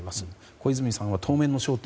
小泉さんは当面の焦点